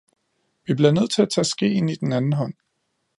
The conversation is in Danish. Vi bliver nødt til at tage skeen i den anden hånd.